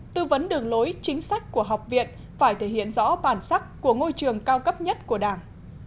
tư vấn đường lối chính sách của học viện phải thể hiện rõ bản sắc của ngôi trường cao cấp nhất của đảng